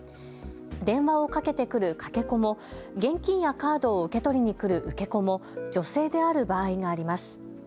電話をかけてくる、かけ子も現金やカードを受け取りに来る受け子も女性である場合があります。